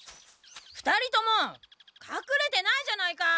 ２人ともかくれてないじゃないか！